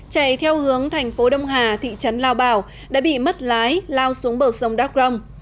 chạy theo hướng thành phố đông hà thị trấn lao bảo đã bị mất lái lao xuống bờ sông đắk rông